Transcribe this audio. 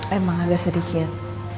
emang agak sedikit